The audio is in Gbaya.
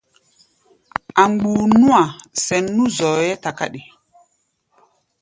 A̧ mgbuu nú-a sɛn nú zɔɔ-ɛ́ɛ́ takáɗi.